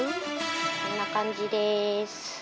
こんな感じです。